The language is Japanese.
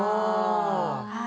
はい。